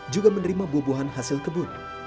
juga menerima buah buahan hasil kebun